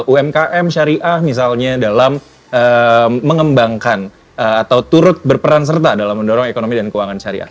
umkm syariah misalnya dalam mengembangkan atau turut berperan serta dalam mendorong ekonomi dan keuangan syariah